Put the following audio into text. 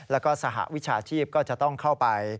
แล้วก็สหวิชาชีพก็จะต้องเข้าไป